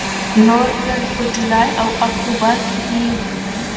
نورې ګڼې په جولای او اکتوبر کې دي.